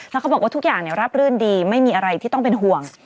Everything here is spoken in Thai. แล้วเขาบอกว่าทุกอย่างราบรื่นดีไม่มีอะไรที่ต้องเป็นห่วง